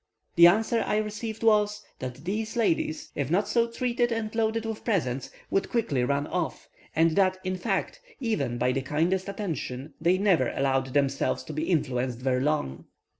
The answer I received was: that these ladies, if not so treated and loaded with presents, would quickly run off, and that, in fact, even by the kindest attentions they never allowed themselves to be influenced very long.